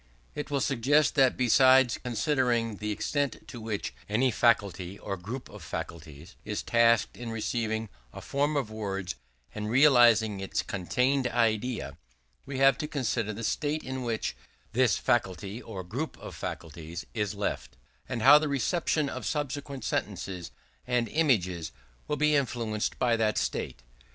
It will suggest that besides considering the extent to which any faculty or group of faculties is tasked in receiving a form of words and realizing its contained idea, we have to consider the state in which this faculty or group of faculties is left; and how the reception of subsequent sentences and images will be influenced by that state.